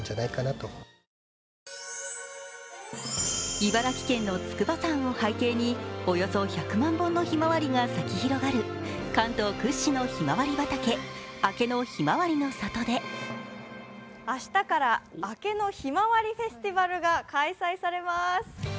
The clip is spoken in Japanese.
茨城県の筑波山を背景におよそ１００万本のひまわりが咲き広がる関東屈指のひまわり畑明野ひまわりの里で明日からあけのひまわりフェスティバルが開催されます